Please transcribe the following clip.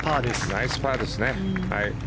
ナイスパーですね。